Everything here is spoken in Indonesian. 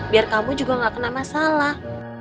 biar kamu juga gak kena masalah